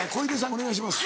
お願いします。